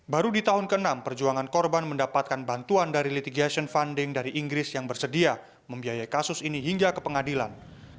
baru di tahun ke enam perjuangan korban mendapatkan bantuan dari litigation funding dari inggris yang bersedia membiayai kasus ini hingga ke pengadilan